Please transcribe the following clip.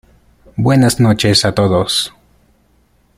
Buenas noches a todos.